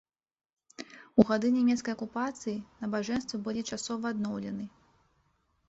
У гады нямецкай акупацыі набажэнствы былі часова адноўлены.